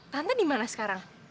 tante dimana sekarang